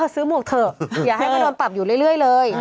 หมวกเถอะอย่าให้มาโดนปรับอยู่เรื่อยเลย